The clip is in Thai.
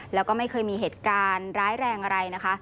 แล้วก็ไม่เคยมีเหตุการณ์ร้ายแรงอะไรนะคะ